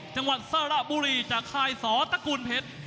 จังหวัดสระบุรีจากค่ายสอตระกูลเพชร